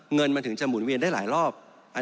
เงินมันถึงจะหมุนเวียนได้หลายรอบ